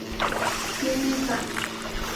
Tiene ha.